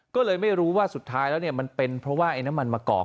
ก็เลยไม่รู้ว่าสุดท้ายแล้วมันเป็นเพราะว่าไอ้น้ำมันมะกอก